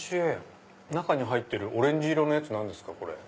中に入ってるオレンジ色のやつ何ですか？